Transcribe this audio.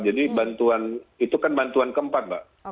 jadi bantuan itu kan bantuan keempat